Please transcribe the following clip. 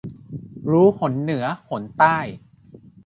รู้หนเหนือหนใต้